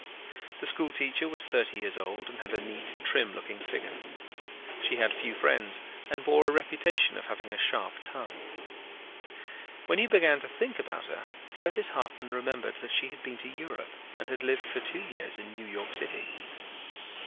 The school teacher was thirty years old and had a neat trim looking figure. She had few friends and bore a reputation of having a sharp tongue. When he began to think about her, Curtis Hartman remembered that she had been to Europe and had lived for two years in New York City.